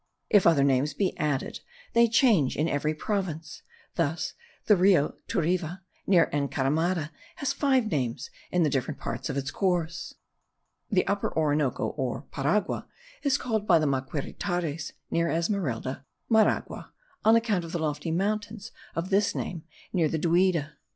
If other names be added, they change in every province. Thus the Rio Turiva, near the Encaramada, has five names in the different parts of its course. The Upper Orinoco, or Paragua, is called by the Maquiritares (near Esmeralda) Maraguaca, on account of the lofty mountains of this name near Duida.